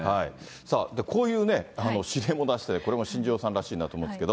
さあ、こういうね、指令も出して、これも新庄さんらしいなと思うんですけど。